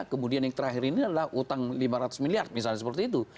kemudian yang terakhir ini adalah utang lima ratus miliar misalnya seperti itu